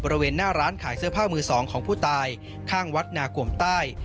บริเวณหน้าร้านขายเสื้อผ้ามือสองของผู้ตายข้างวัดนากลมใต้